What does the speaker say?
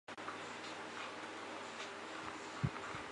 小花荛花为瑞香科荛花属下的一个种。